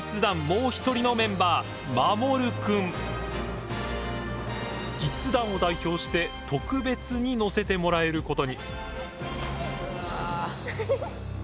もう一人のメンバーキッズ団を代表して特別に乗せてもらえることに。